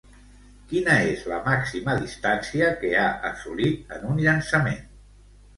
Quina és la màxima distància que ha assolit en un llançament?